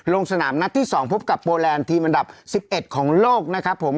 ลงสนามนัดที่๒พบกับโปแลนด์ทีมอันดับ๑๑ของโลกนะครับผม